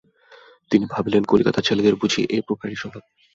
তিনি ভাবিলেন, কলিকাতার ছেলেদের বুঝি এই প্রকারই স্বভাব।